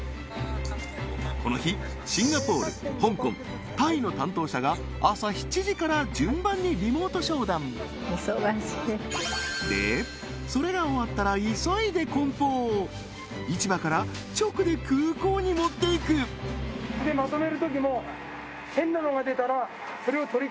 この日シンガポール香港タイの担当者が朝７時から順番にリモート商談でそれが終わったら急いで梱包市場から直で空港に持っていくもう分かりますよね